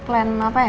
rencana apa ya